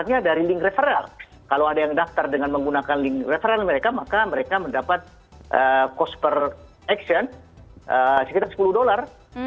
artinya dari link referral kalau ada yang daftar dengan menggunakan referensi mereka maka mereka mendapat cost per action sekitar sepuluh dolar